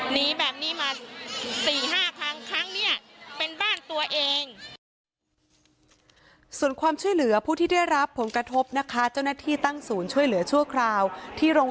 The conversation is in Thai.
หนีแบบนี้มา๔๕ครั้ง